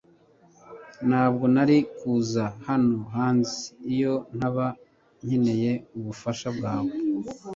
ntabwo nari kuza hano hanze iyo ntaba nkeneye ubufasha bwawe